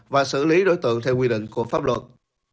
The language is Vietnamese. và xử lý đối tượng theo quy định của pháp luật